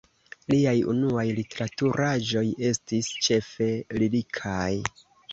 Liaj unuaj literaturaĵoj estis ĉefe lirikaj.